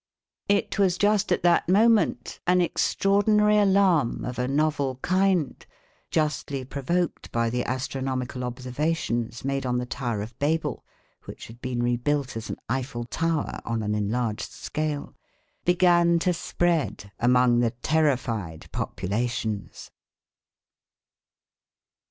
It was just at that moment an extraordinary alarm of a novel kind, justly provoked by the astronomical observations made on the tower of Babel, which had been rebuilt as an Eiffel Tower on an enlarged scale, began to spread among the terrified populations.